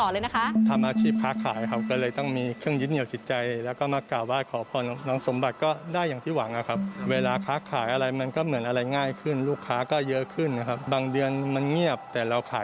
เลยนะคะพี่เดี๋ยวตามหมอไก่ไปชมกันต่อเลยนะคะ